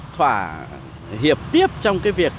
thỏa hiệp tiếp trong cái việc